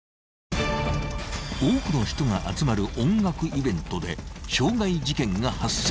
［多くの人が集まる音楽イベントで傷害事件が発生］